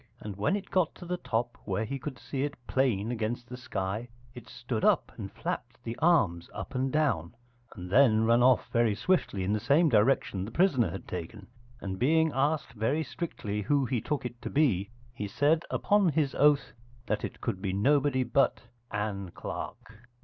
And when it got to the top where he could see it plain against the sky, it stood up and flapped the arms up and down, and then run off very swiftly in the same direction the prisoner had taken: and being asked very strictly who he took it to be, he said upon his oath that it could be nobody but Ann Clark.